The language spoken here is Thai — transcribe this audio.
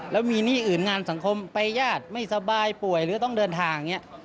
และมีนี่หรืองานสังคมไปที่ญาติจากไม่สบายป่วยหรือต้องเดินทาง